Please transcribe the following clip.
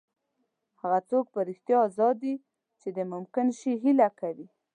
هغه څوک په رښتیا ازاد دی چې د ممکن شي هیله کوي.